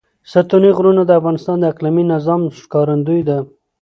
ستوني غرونه د افغانستان د اقلیمي نظام ښکارندوی ده.